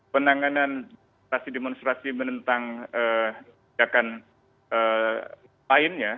penanganan demonstrasi demonstrasi menentang kebijakan lainnya